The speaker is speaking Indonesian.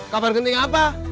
kabar genting apa